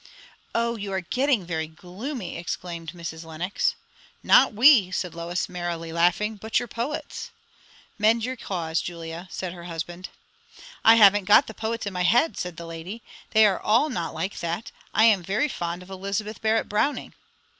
'" "O, you are getting very gloomy!" exclaimed Mrs. Lenox. "Not we," said Lois merrily laughing, "but your poets." "Mend your cause, Julia," said her husband. "I haven't got the poets in my head," said the lady. "They are not all like that. I am very fond of Elizabeth Barrett Browning."